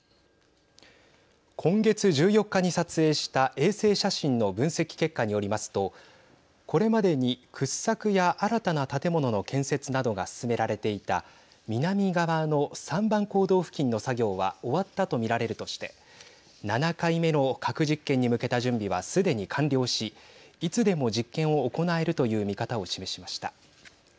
今月１４日に撮影した衛星写真の分析結果によりますとこれまでに掘削や新たな建物の建設などが進められていた南側の３番坑道付近の作業は終わったと見られるとして７回目の核実験に向けた準備はすでに完了しいつでも実験を行えるという見方を示しました。